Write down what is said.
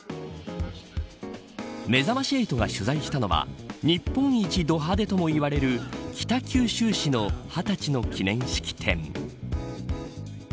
めざまし８が取材したのは日本一ど派手ともいわれる北九州市の二十歳の記念式典。